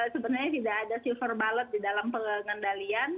sebenarnya tidak ada silver bullet di dalam pengendalian